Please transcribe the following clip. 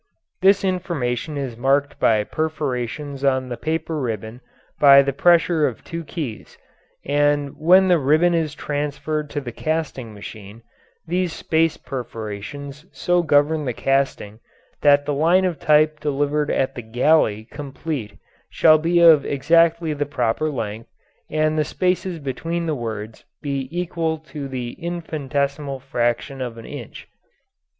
This information is marked by perforations on the paper ribbon by the pressure of two keys, and when the ribbon is transferred to the casting machine these space perforations so govern the casting that the line of type delivered at the "galley" complete shall be of exactly the proper length, and the spaces between the words be equal to the infinitesimal fraction of an inch.